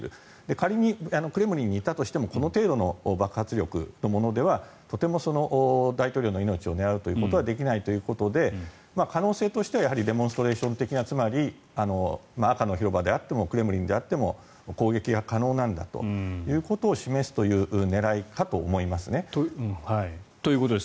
仮にクレムリンにいたとしてもこの程度の爆発力のものではとてもその大統領の命を狙うことはできないということで可能性としてはデモンストレーション的なつまり、赤の広場であってもクレムリンであっても攻撃が可能なんだということを示すという狙いかと思いますね。ということです。